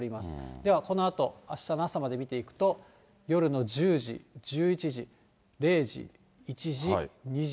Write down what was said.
ではこのあと、あしたの朝まで見ていくと、夜の１０時、１１時、０時、１時、２時。